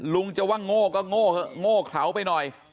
ลุงจะว่างโง่ก็โง่เขาไปหน่อย